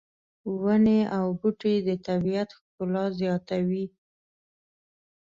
ونې او بوټي د طبیعت ښکلا زیاتوي